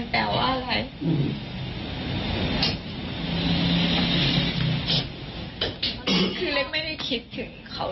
เราเคยทำอะไรกันมา